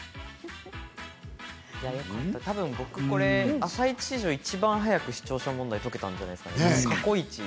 たぶん僕これ「あさイチ」史上いちばん早く視聴者問題解けたんじゃないですかね。